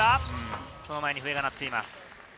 その前に笛が鳴っています。